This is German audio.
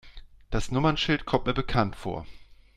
Das Nummernschild kommt mir bekannt vor.